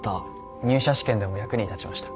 入社試験でも役に立ちました。